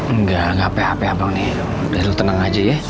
enggak gak apa apa abang nih udah lo tenang aja ya